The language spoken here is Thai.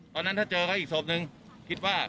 ตอนนั้นถ้าเจอเขาอีกศพนึงคิดว่า